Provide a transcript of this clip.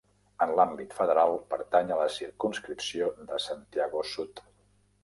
En l'àmbit federal, pertany a la circumscripció de Santiago Sud.